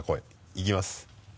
いきます。